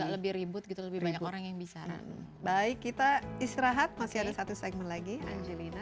lebih ribut gitu lebih banyak orang yang bicara baik kita istirahat masih ada satu segmen lagi angelina